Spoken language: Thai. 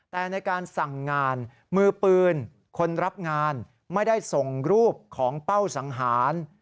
แต่ในการสั่งงานมือปืนคนรับงานไม่ได้ส่งรูปของเป้าสังหาร